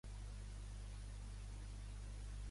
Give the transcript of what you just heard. Llicenciada en dret per la Universitat de Navarra.